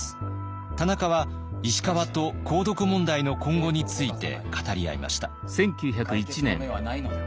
田中は石川と鉱毒問題の今後について語り合いました。